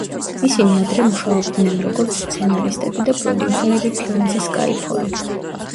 ისინი ადრე მუშაობდნენ როგორც სცენარისტები და პროდიუსერები ფილმზე სკაიფოლი.